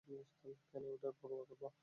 কেন এটার পরোয়া করব?